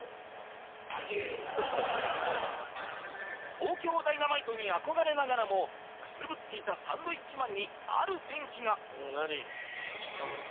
東京ダイナマイトに憧れながらもくすぶっていたサンドウィッチマンにある転機が